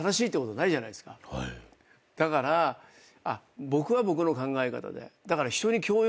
だから僕は僕の考え方で。